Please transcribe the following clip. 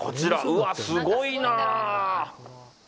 うわ、すごいな。